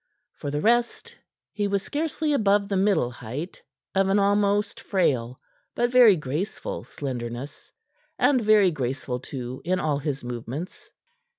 For the rest, he was scarcely above the middle height, of an almost frail but very graceful slenderness, and very graceful, too, in all his movements.